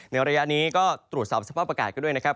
ระยะนี้ก็ตรวจสอบสภาพอากาศกันด้วยนะครับ